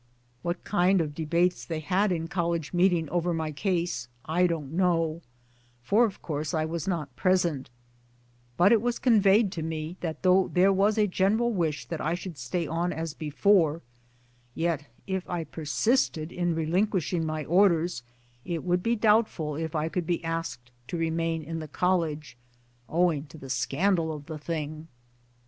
What kind of debates they had in College meeting over my case I don't know, for of course I was not present, but it was conveyed to me that though there was a general wish that I should stay on as before, yet if I persisted ,in relinquishing my Orders, it would be doubtful if I could be asked to remain in the College owing to the scandal of the thing